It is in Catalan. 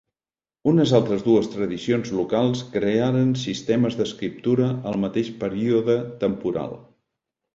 Unes altres dues tradicions locals crearen sistemes d'escriptura al mateix període temporal.